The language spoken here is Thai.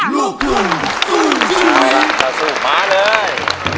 ลูกคุณสู้ช่วยสู้ค่ะสู้มาเลย